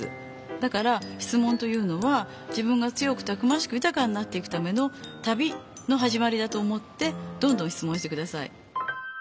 だから質問というのは自分が強くたくましく豊かになっていくための旅のはじまりだと思ってどんどん質問して下さい。